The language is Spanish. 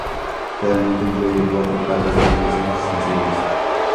Cada núcleo incluye cuatro patas de aterrizaje extensibles.